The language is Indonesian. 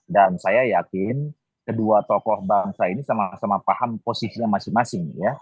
dan saya yakin kedua tokoh bangsa ini sama sama paham posisinya masing masing